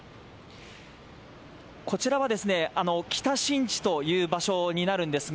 こちらは北新地という場所になるんですが、